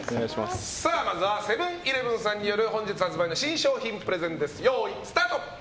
まずはセブン‐イレブンさんによる本日発売の新商品プレゼンです。